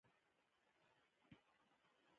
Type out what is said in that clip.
کندهار بېلېدل یې ځکه ورسره ونه منل.